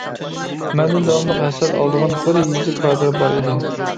مەندىن داۋاملىق ھەسەل ئالىدىغان بىر يېزا كادىرى بار ئىدى.